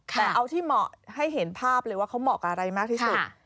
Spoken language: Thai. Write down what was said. แต่เอาที่เหมาะให้เห็นภาพเลยว่าเขาเหมาะอะไรมากที่สุด